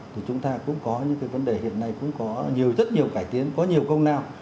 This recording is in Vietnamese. thì chúng ta cũng có những cái vấn đề hiện nay cũng có nhiều rất nhiều cải tiến có nhiều công lao